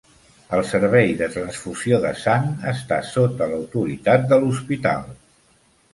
El servei de transfusió de sang està sota l'autoritat de l'hospital.